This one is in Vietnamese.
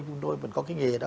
chúng tôi vẫn có cái nghề đó